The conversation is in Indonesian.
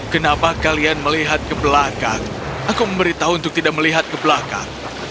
kenapa kalian melihat ke belakang aku memberitahu untuk tidak melihat ke belakang